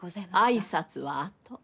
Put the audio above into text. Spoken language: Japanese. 挨拶はあと。